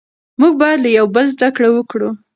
موږ بايد له يوه بل زده کړه وکړو.